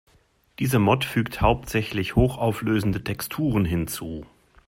Diese Mod fügt hauptsächlich hochauflösende Texturen hinzu.